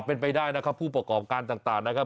เป็นไปได้นะครับผู้ประกอบการต่างนะครับ